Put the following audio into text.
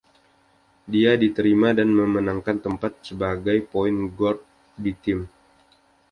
Dia diterima dan memenangkan tempat sebagai point guard di tim.